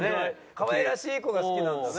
かわいらしい子が好きなんだね。